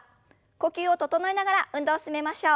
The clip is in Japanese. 呼吸を整えながら運動を進めましょう。